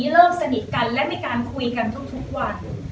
เริ่มสนิทกันและมีการคุยกันทุกวัน